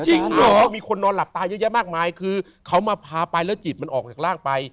มีคนนอนหลับตาเยอะแยะมากมายคือเขามาพาไปแล้วจิตมันออกจากร่างไป